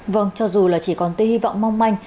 vâng cho dù chỉ còn tên hy vọng mong manh